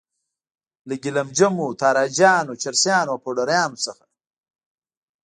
له ګیلم جمو، تاراجیانو، چرسیانو او پوډریانو څخه.